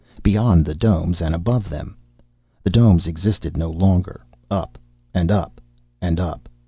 Beyond the domes and above them. The domes existed no longer. Up and up, and up....